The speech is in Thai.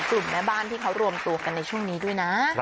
แม่บ้านที่เขารวมตัวกันในช่วงนี้ด้วยนะ